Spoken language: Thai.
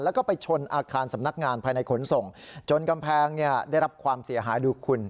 แล้วก็ไปชนอาคารสำนักงานภายในขนส่งจนกำแพงเนี่ยได้รับความเสียหายดูคุณ